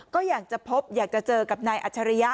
ก็อยากจะพบอยากจะเจอกับนายอัจฉริยะ